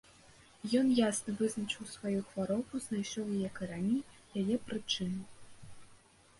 Ён ясна вызначыў сваю хваробу, знайшоў яе карані, яе прычыну.